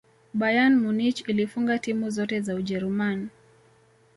bayern munich ilifunga timu zote za ujeruman